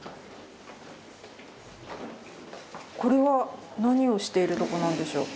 これは何をしているとこなんでしょう？